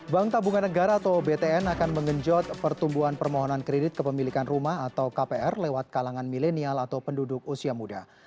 bank tabungan negara atau btn akan mengenjot pertumbuhan permohonan kredit kepemilikan rumah atau kpr lewat kalangan milenial atau penduduk usia muda